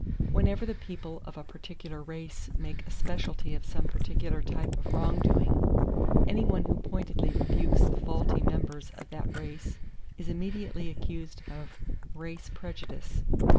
Whenever the people of a particular race make a specialty of some particular type of wrong doing, anyone who pointedly rebukes the faulty members of that race is immediately accused of "race prejudice."